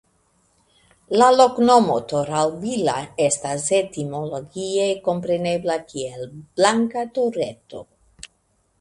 La loknomo "Torralbilla" estas etimologie komprenebla kiel "Blanka Tureto".